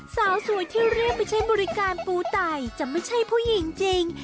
สาวสวยที่เรียกไปใช้บริการปูไต่จะไม่ใช่ผู้หญิงจริง